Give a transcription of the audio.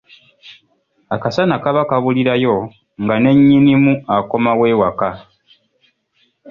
Akasana kaba kabulirayo nga ne nnyinimu akomawo ewaka.